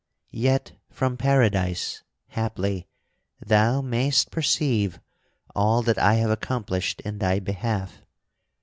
Yet from Paradise, haply, thou mayst perceive all that I have accomplished in thy behalf.